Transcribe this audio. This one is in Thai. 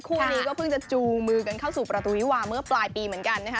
คู่นี้ก็เพิ่งจะจูงมือกันเข้าสู่ประตูวิวาเมื่อปลายปีเหมือนกันนะคะ